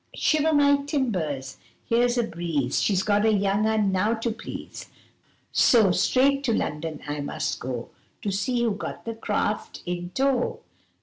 'Shiver my timbers! here's a breeze She's got a young 'un now to please So straight to London I must go, To see who's got the craft in tow.